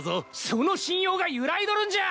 その信用が揺らいどるんじゃ！